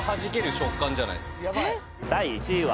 第１位は。